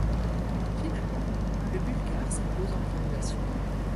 Finalement, le Bulgare s'impose en prolongation.